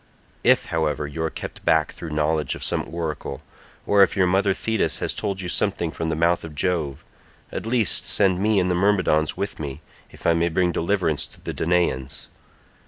If however you are kept back through knowledge of some oracle, or if your mother Thetis has told you something from the mouth of Jove, at least send me and the Myrmidons with me, if I may bring deliverance to the Danaans.